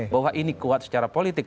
bahwa ini kuat secara politik